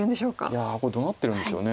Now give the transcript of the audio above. いやこれどうなってるんでしょう。